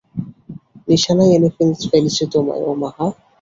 নিশানায় এনে ফেলেছি তোমায়, ওমাহা।